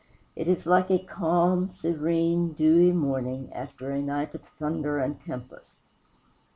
It is like a calm, serene, dewy morning, after a night of thunder and tempest.